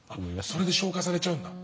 それで昇華されちゃうんだ。